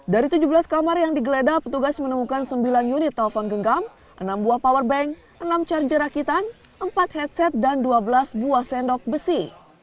dari tujuh belas kamar yang digeledah petugas menemukan sembilan unit telepon genggam enam buah powerbank enam charger rakitan empat headset dan dua belas buah sendok besi